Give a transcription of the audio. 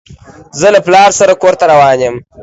زه له پلار سره کور ته روان يم.